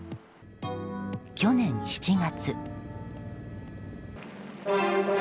去年７月。